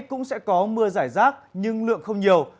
cũng sẽ có mưa giải rác nhưng lượng không nhiều